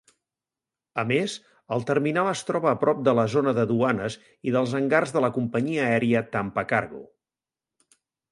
A més, el terminal es troba a prop de la zona de duanes i dels hangars de la companyia aèria Tampa Cargo.